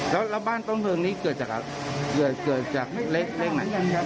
แล้วบ้านต้นเพลิงนี้เกิดจากเล็กไหม